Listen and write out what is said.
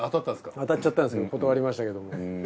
当たっちゃったんですけど断りましたけども。